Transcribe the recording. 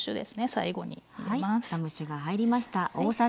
最後に入れます。